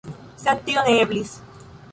Sed tio ne eblis.